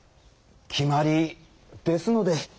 決まりですので。